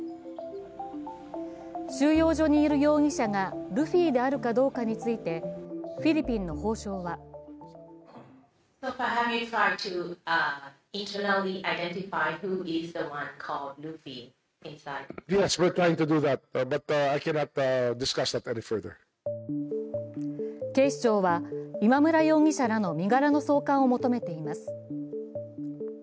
収容所にいる容疑者がルフィであるかどうかについてフィリピンの法相は警視庁は今村容疑者らの身柄の送還を求めています。